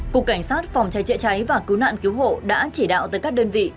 cục cảnh sát phòng cháy chữa cháy và cứu nạn cứu hộ đã chỉ đạo tới các đơn vị